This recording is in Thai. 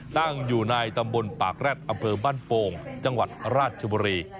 ตั้งอยู่ในตำบลปากแร็ดอำเภอบ้านโป่งจังหวัดราชบุรี